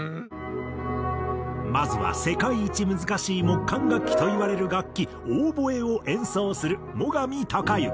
まずは世界一難しい木管楽器といわれる楽器オーボエを演奏する最上峰行。